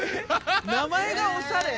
名前がおしゃれ。